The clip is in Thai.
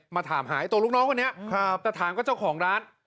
มาถามหาตัวลูกน้องคนนี้แต่ถามกับเจ้าของร้าน